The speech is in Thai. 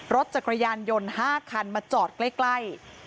รถจักรยานยนต์๕คันมาจอดใกล้